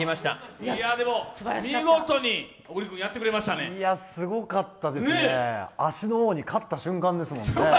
いや、すごかったですね、脚の王に勝った瞬間ですもんね。